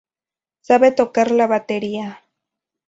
Sabe tocar la batería.